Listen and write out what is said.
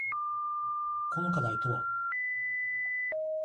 この課題とは？